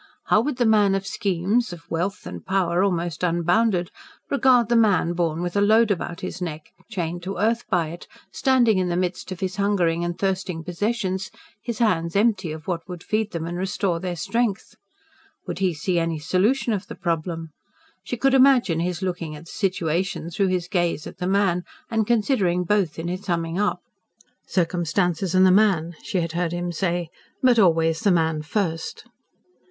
How would the man of schemes, of wealth, and power almost unbounded, regard the man born with a load about his neck chained to earth by it, standing in the midst of his hungering and thirsting possessions, his hands empty of what would feed them and restore their strength? Would he see any solution of the problem? She could imagine his looking at the situation through his gaze at the man, and considering both in his summing up. "Circumstances and the man," she had heard him say. "But always the man first."